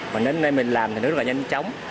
và đến nơi mình làm thì rất là nhanh chóng